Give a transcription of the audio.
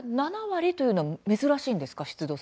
７割というのは珍しいんですか。